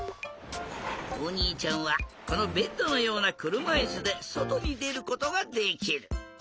おにいちゃんはこのベッドのようなくるまいすでそとにでることができる！